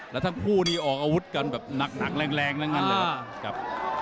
แล้วทั้งคู่นี่ออกอาวุธกันแบบหนักแรงทั้งนั้นเลยครับ